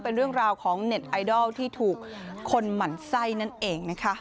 เป็นเรื่องราวของเน็ตไอดอลที่ถูกคนหมั่นไส้นั่นเองนะคะ